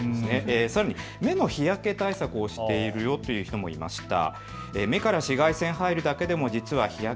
さらに目の日焼け対策をしているという人もいました。